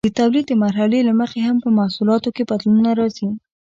د تولید د مرحلې له مخې هم په محصولاتو کې بدلونونه راځي.